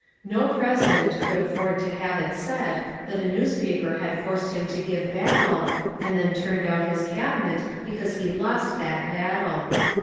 No president could af ford to have it said that a newspaper had forced him to give battle and then turned out his Cabinet because he lost that battle.